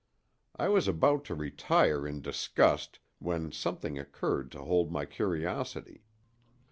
I was about to retire in disgust when something occurred to hold my curiosity.